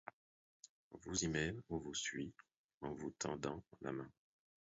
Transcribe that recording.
Vous y mène, ou vous suit en vous tendant la main.